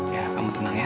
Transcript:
ya kamu tenang ya